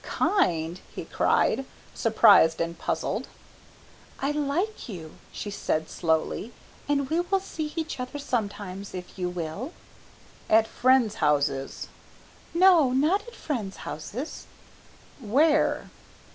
"Kind?" he cried, surprised and puzzled. "I like you," she said slowly, "and we will see each other sometimes if you will." "At friends' houses." "No, not at friends' houses." "Where?"